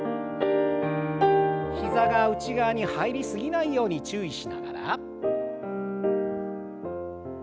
膝が内側に入り過ぎないように注意しながら。